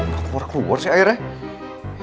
keluar keluar sih airnya